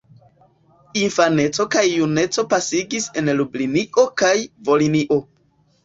Infanecon kaj junecon pasigis en Lublinio kaj Volinio.